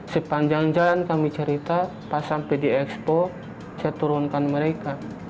sepanjang jalan kami cerita pas sampai di expo saya turunkan mereka